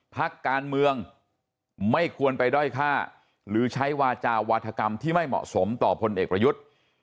พักการเมืองไม่ควรไปด้อยฆ่าหรือใช้วาจาวาธกรรมที่ไม่เหมาะสมต่อพลเอกประยุทธ์